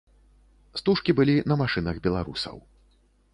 Стужкі былі на машынах беларусаў.